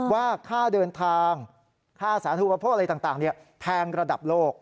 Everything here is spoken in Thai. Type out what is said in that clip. ว่าค่าเดินทางค่าสาธุปโภคอะไรต่างแพงระดับโลก